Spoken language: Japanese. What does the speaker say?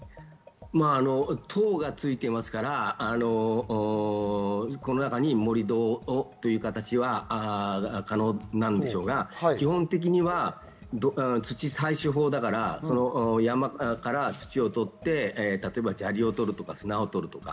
等がついていますから、この中に盛り土という形は可能なんでしょうが、基本的には土採取法だから山から土を取って砂利を取るとか砂を取るとか。